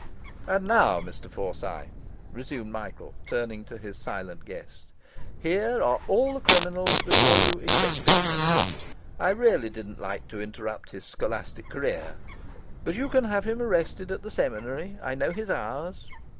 'And now, Mr Forsyth,' resumed Michael, turning to his silent guest, 'here are all the criminals before you, except Pitman. I really didn't like to interrupt his scholastic career; but you can have him arrested at the seminary I know his hours.